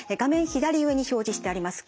左上に表示してあります